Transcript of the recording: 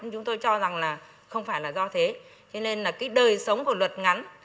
chúng tôi cho rằng là không phải là do thế cho nên là cái đời sống của luật ngắn